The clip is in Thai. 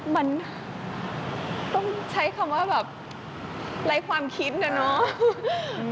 มันต้องใช้คำว่าแบบไร้ความคิดนะเนาะ